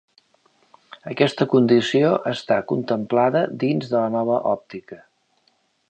Aquesta condició està contemplada dins de la nova òptica.